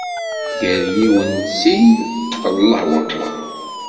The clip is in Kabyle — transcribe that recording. Gar yiwen sin d llah wakber